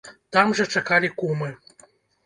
Там жа чакалі кумы.